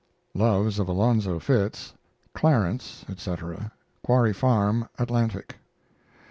LOVES OF ALONZO FITZ CLARENCE, ETC. (Quarry Farm) Atlantic.